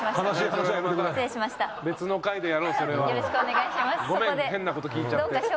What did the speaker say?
ごめん変なこと聞いちゃって。